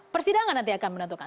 persidangan nanti akan menentukan